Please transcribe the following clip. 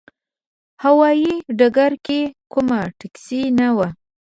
هوايي ډګر کې کومه ټکسي نه وه.